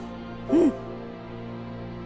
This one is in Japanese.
うん！